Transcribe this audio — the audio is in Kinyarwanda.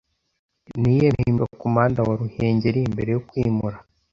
Niyihe mpimbano yabaga kumuhanda wa ruhengeri mbere yo kwimura